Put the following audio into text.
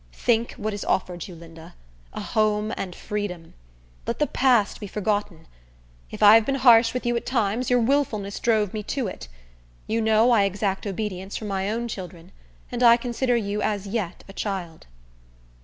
Think what is offered you, Linda—a home and freedom! Let the past be forgotten. If I have been harsh with you at times, your willfulness drove me to it. You know I exact obedience from my own children, and I consider you as yet a child."